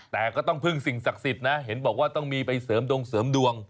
แต่ก็ต้องพึ่งสิ่งศักดิ์สิทธิ์นะเห็นบอกว่าต้องมีไปเสริมดวงเสริมดวง